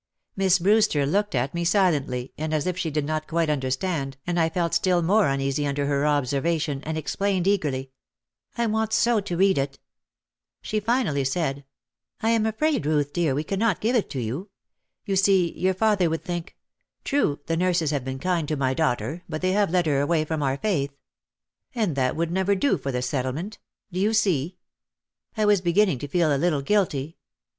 Miss Brewster looked at me silently and as if she did not quite understand and I felt still more uneasy under her observation and explained eagerly, "I want so to read it." She finally said, "I am afraid, Ruth dear, we can not give it to you. You see your father would think, 'True, the nurses have been kind to my daughter but they have led her away from our faith/ And that would never do for the Settlement. Do you see?" I was beginning to feel a little guilty.